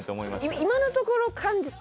今のところ感じた